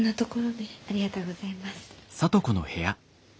ありがとうございます。